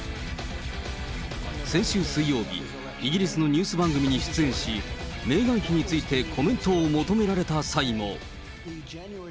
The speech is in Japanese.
先週水曜日、イギリスのニュース番組に出演し、メーガン妃についてコメントを求められた際も。